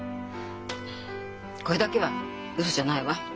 これだけはウソじゃないわ。